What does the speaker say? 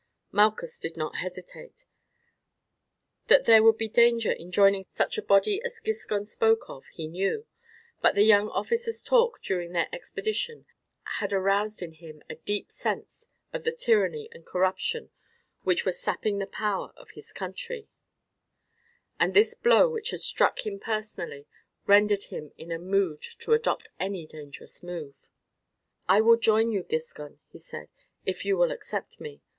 Malchus did not hesitate. That there would be danger in joining such a body as Giscon spoke of he knew, but the young officer's talk during their expedition had aroused in him a deep sense of the tyranny and corruption which were sapping the power or his country, and this blow which had struck him personally rendered him in a mood to adopt any dangerous move. "I will join you, Giscon," he said, "if you will accept me.